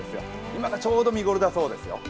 今がちょうど見ごろだそうですよ。